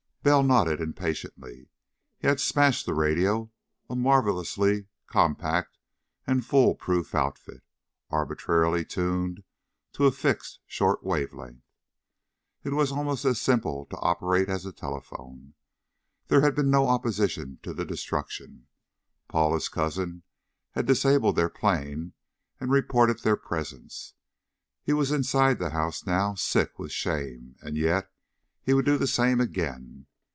Bell nodded impatiently. He had smashed the radio, a marvelously compact and foolproof outfit, arbitrarily tuned to a fixed short wave length. It was almost as simple to operate as a telephone. There had been no opposition to the destruction. Paula's cousin had disabled their plane and reported their presence. He was inside the house now, sick with shame and yet he would do the same again.